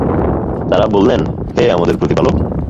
তারা বললেন, হে আমাদের প্রতিপালক!